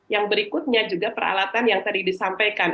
yang berikutnya juga peralatan yang tadi disampaikan